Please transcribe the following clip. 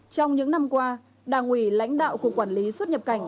trong những năm qua đảng ủy lãnh đạo cục quản lý xuất nhập cảnh